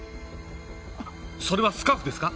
それはスカーフですか？